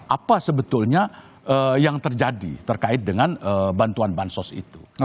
apa sebetulnya yang terjadi terkait dengan bantuan bansos itu